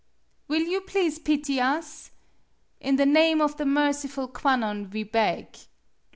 Will you please pity us? In the name of the merciful Kwannon we beg.